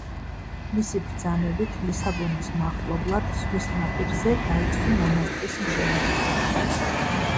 მისი ბრძანებით ლისაბონის მახლობლად, ზღვის ნაპირზე, დაიწყო მონასტრის მშენებლობა.